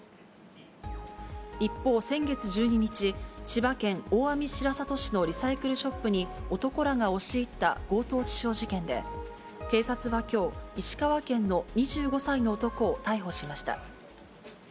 一方、先月１２日、千葉県大網白里市のリサイクルショップに男らが押し入った強盗致傷事件で、警察はきょう、石川県の２５歳の男を逮捕しました。